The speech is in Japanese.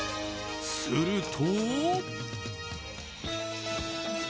すると。